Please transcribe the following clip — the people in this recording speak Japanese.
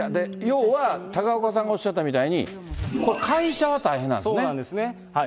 要は、高岡さんがおっしゃったみたいに、会社は大変なんですそうなんですね。